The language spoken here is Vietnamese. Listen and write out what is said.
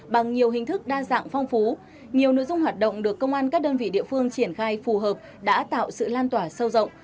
bằng nhiều hình thức đa dạng phong phú nhiều nội dung hoạt động được công an các đơn vị địa phương triển khai phù hợp đã tạo sự lan tỏa sâu rộng